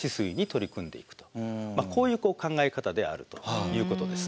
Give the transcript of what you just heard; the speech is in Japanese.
まあこういう考え方であるということです。